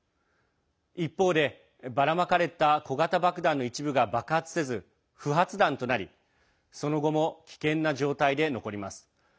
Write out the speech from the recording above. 一方で、ばらまかれた小型爆弾の一部が爆発せず不発弾となりその後も危険な状態で残ります。